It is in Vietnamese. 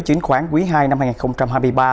chính khoán quý ii năm hai nghìn hai mươi ba